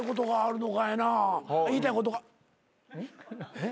えっ？